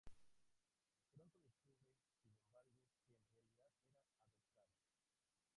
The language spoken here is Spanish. Pronto descubre, sin embargo, que en realidad era adoptada.